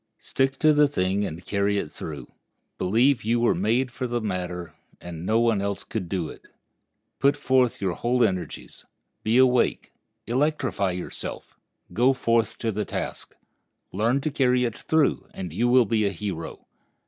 Stick to the thing and carry it through. Believe you were made for the matter, and that no one else could do it. Put forth your whole energies. Be awake; electrify yourself; go forth to the task. Learn to carry it through, and you will be a hero.